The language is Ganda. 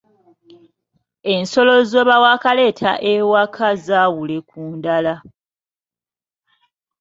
Ensolo z’oba waakaleeta ewaka zaawule ku ndala.